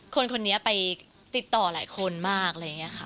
คนนี้ไปติดต่อหลายคนมากอะไรอย่างนี้ค่ะ